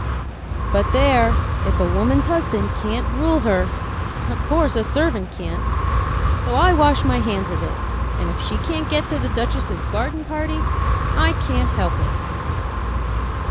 But there, if a woman's husband can't rule her of course a servant can't; so I wash my hands of it, and if she can't get to the duchess' garden party I can't help it."